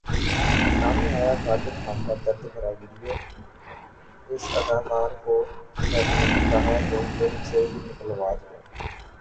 سامنے آیا قادر خان کا درد بھرا ویڈیو ، اس اداکار کو سر نہیں کہا تو فلم سے ہی نکلوادیا